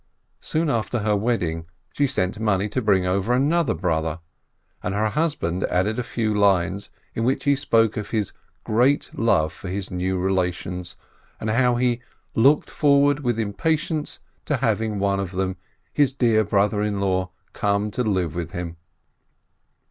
Soon after her wedding, she sent money to bring over another brother, and her hus band added a few lines, in which he spoke of "his great love for his new relations," and how he "looked forward with impatience to having one of them, his dear brother in law, come to live with him."